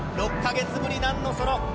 ６か月ぶりなんのその。